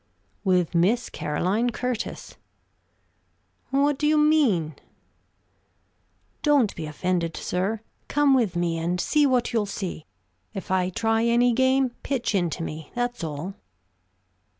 "With Miss Caroline Curtis." "What do you mean?" "Don't be offended, sir. Come with me, and see what you'll see. If I try any game, pitch into me, that's all."